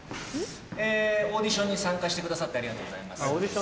オーディションに参加してくださってありがとうございます。